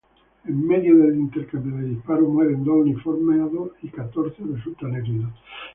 En medio del intercambio de disparos, mueren dos uniformados y catorce resultan heridos.